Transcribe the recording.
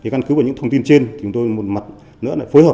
căn cứ vào những thông tin trên chúng tôi một mặt nữa là phối hợp